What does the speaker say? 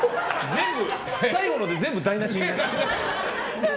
最後ので全部台無しになった。